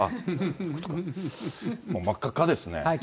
もう真っ赤っかですね。